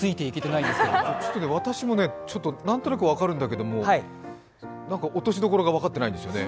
私も、何となく分かるんですけれども落としどころが分からないんですよね。